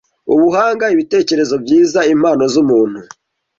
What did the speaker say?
Ubuhanga, ibitekerezo byiza, impano z’umuntu,